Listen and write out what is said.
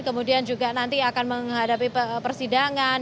kemudian juga nanti akan menghadapi persidangan